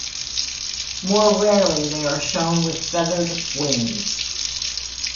More rarely, they are shown with feathered wings.